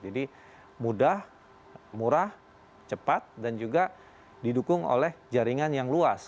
jadi mudah murah cepat dan juga didukung oleh jaringan yang luas